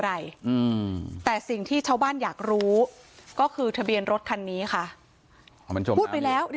อะไรแต่สิ่งที่เช่าบ้านอยากรู้ก็คือทะเบียนรถคันนี้ค่ะมันต้องไปแล้ว